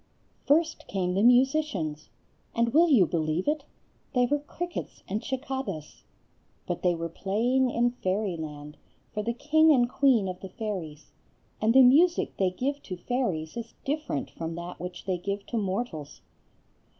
First came the musicians; and will you believe it?—they were crickets and cicadas. But they were playing in Fairyland, for the king and queen of the fairies; and the music they give to fairies is different from that which they give to mortals.